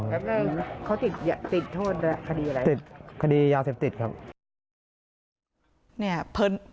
แป๊บหนึ่งเขาติดโทษด้วยคดีอะไรคดียาเสพติดครับ